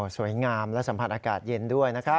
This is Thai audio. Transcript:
สวยงามและสัมผัสอากาศเย็นด้วยนะครับ